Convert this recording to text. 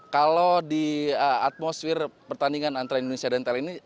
kalau di atmosfer pertandingan antara indonesia dan thailand ini